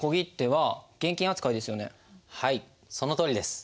はいそのとおりです。